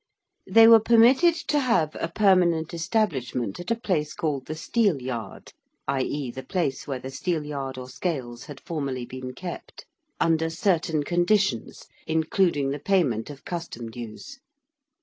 They were permitted to have a permanent establishment at a place called the Steelyard i.e. the place where the Steelyard or Scales had formerly been kept under certain conditions, including the payment of custom dues.